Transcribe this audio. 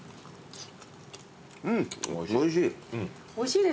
うんおいしい。